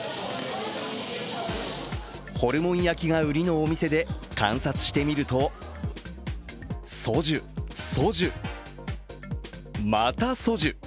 ホルモン焼きが売りのお店で観察してみるとソジュ、ソジュ、またソジュ。